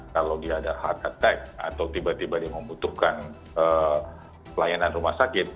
kalau dia ada hard attack atau tiba tiba dia membutuhkan pelayanan rumah sakit